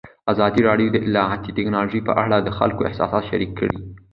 ازادي راډیو د اطلاعاتی تکنالوژي په اړه د خلکو احساسات شریک کړي.